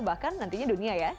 bahkan nantinya dunia ya